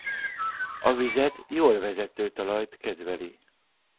A vizet jól vezető talajt kedveli.